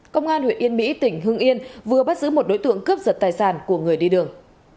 công an huyện yên mỹ tỉnh hưng yên vừa bắt giữ một đối tượng cướp giật tài sản của người đi đường